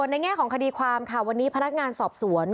ในแง่ของคดีความค่ะวันนี้พนักงานสอบสวน